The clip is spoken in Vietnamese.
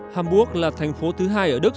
hamburg là thành phố thứ hai ở đức